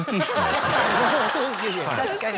確かに。